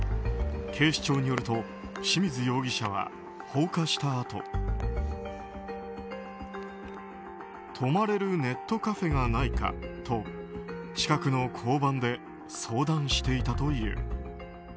警視庁によると清水容疑者は、放火したあと泊まれるネットカフェがないかと近くの交番で相談していたという。